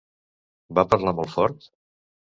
Va parlar molt fort?